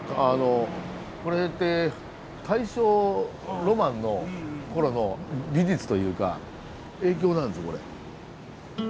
これって大正ロマンのころの美術というか影響なんですよこれ。